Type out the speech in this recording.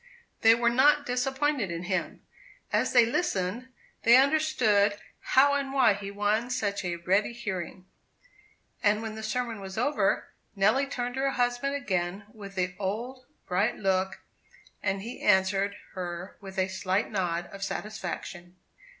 They were not disappointed in him. As they listened, they understood how and why he won such a ready hearing; and when the sermon was over, Nelly turned to her husband again with the old bright look; and he answered her with a slight nod of satisfaction.